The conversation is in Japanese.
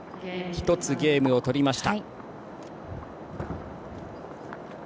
１つゲームをとりました。